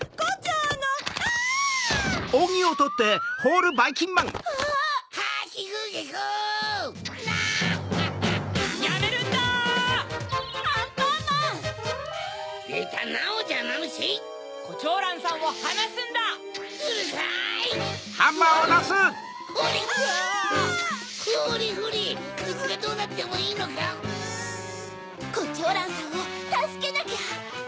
コチョウランさんをたすけなきゃ！